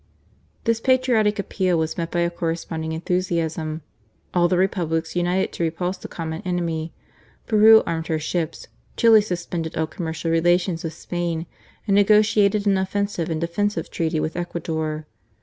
This patriotic appeal was met by a correspond ing enthusiasm : all the Republics united to repulse the common enemy. Peru armed her ships ; Chili suspended all commercial relations with Spain, and negotiated an offensive and defensive treaty with Ecuador.